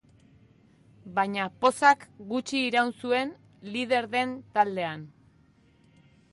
Baina pozak gutxi iraun zuen lider den taldean.